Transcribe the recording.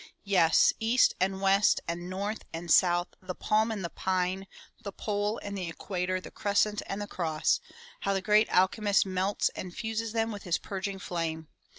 "Yes, east and west, and north and south, the palm and the pine, the pole and the equator, the crescent and the cross — how the great Alchemist melts and fuses them with his purging flame!